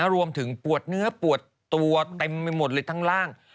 ปวดเนื้อปวดตัวเต็มไปหมดเลยทั้งล่าง